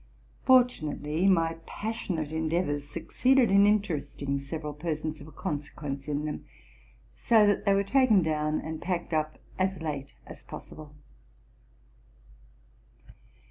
Fortunately, my passionate endeavors succeeded in interesting several persons of consequence in them, so that they were taken down and packed up as late as possible.